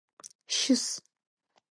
Щыс!